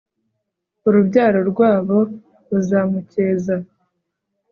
urubyaro rwabo ruzamukeza